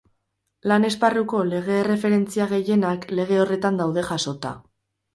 Lan-esparruko lege-erreferentzia gehienak lege horretan daude jasota.